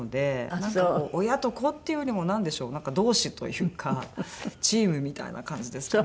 なんか親と子っていうよりもなんでしょう同志というかチームみたいな感じですかね。